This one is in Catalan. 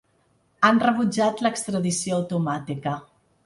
Han rebutjat l’extradició automàtica.